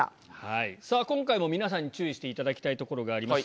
さぁ今回も皆さんに注意していただきたいところがあります。